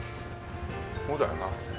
そうだよな。